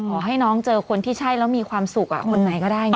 ขอให้น้องเจอคนที่ใช่แล้วมีความสุขคนไหนก็ได้ไง